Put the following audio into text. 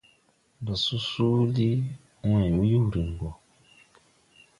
Ndo so suuli wãy mbuyurin go.